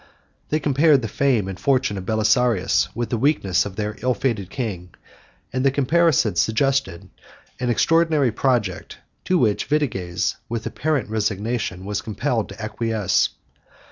They compared the fame and fortune of Belisarius with the weakness of their ill fated king; and the comparison suggested an extraordinary project, to which Vitiges, with apparent resignation, was compelled to acquiesce.